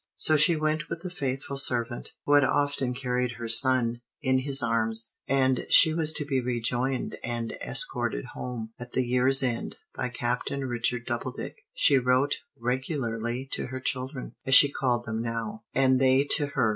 So she went with a faithful servant, who had often carried her son in his arms; and she was to be rejoined and escorted home, at the year's end, by Captain Richard Doubledick. She wrote regularly to her children (as she called them now), and they to her.